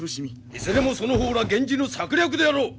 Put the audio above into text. いずれもその方ら源氏の策略であろう！